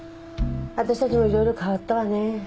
私たちもいろいろ変わったわね。